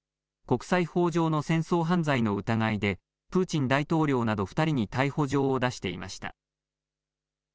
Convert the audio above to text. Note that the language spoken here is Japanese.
国際法上の戦争犯罪の疑いでプーチン大統領など２人に逮捕状を出していました。